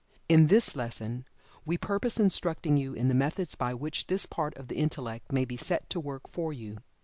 In this lesson we purpose instructing you in the methods by which this part of the Intellect may be set to work for you.